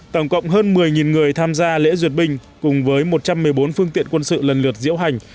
tổng cộng hơn một mươi người tham gia lễ duyệt binh cùng với một trăm một mươi bốn phương tiện quân sự lần lượt diễu hành